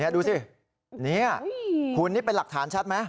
ดูสินี่คุณนี่เป็นหลักฐานชัดไหม